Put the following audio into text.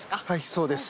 そうです。